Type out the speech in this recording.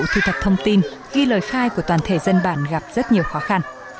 thu thập thông tin ghi lời khai của toàn thể dân bản gặp rất nhiều khó khăn